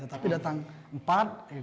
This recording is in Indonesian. tapi datang empat